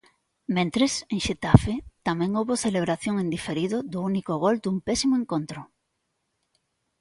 Mentres, en Xetafe, tamén houbo celebración en diferido do único gol dun pésimo encontro.